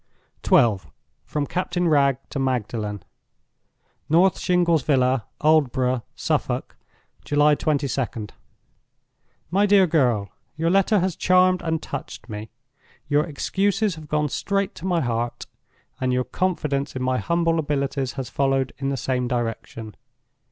XII. From Captain Wragge to Magdalen. "North Shingles Villa, Aldborough, Suffolk, "July 22d. "MY DEAR GIRL, "Your letter has charmed and touched me. Your excuses have gone straight to my heart; and your confidence in my humble abilities has followed in the same direction.